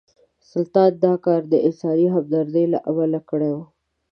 سلطان دا کار د انساني همدردۍ له امله کړی و.